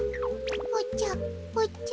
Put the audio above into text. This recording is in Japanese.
おちゃおちゃ。